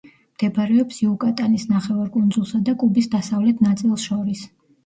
მდებარეობს იუკატანის ნახევარკუნძულსა და კუბის დასავლეთ ნაწილს შორის.